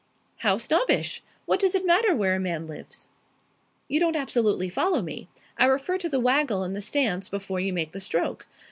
"How snobbish! What does it matter where a man lives?" "You don't absolutely follow me. I refer to the waggle and the stance before you make the stroke.